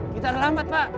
kita ramat pak